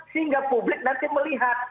sehingga publik nanti melihat